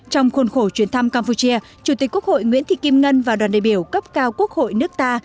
trong khuôn khổ chuyến thăm campuchia chủ tịch quốc hội nguyễn thị kim ngân và đoàn đại biểu cấp cao quốc hội nước ta